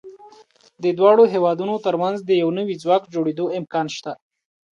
د دواړو هېوادونو تر منځ د یو نوي ځواک جوړېدو امکان شته.